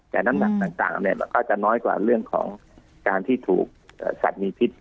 แต่น้ำหนักต่างก็จะน้อยกว่าเรื่องของการที่ถูกสัตว์มีพิษ